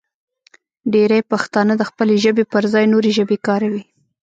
ډېری پښتانه د خپلې ژبې پر ځای نورې ژبې کاروي.